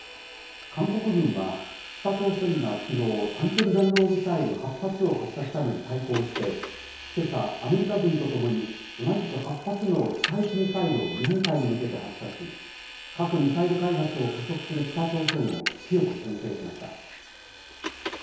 韓国軍は、北朝鮮がきのう、短距離弾道ミサイル８発を発射したのに対抗して、けさ、アメリカ軍とともに、同じく８発の地対地ミサイルを日本海に向けて発射し、核・ミサイル開発を加速する北朝鮮を強くけん制しました。